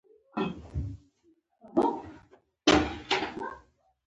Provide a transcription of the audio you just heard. هغې اوبو ته وکتل.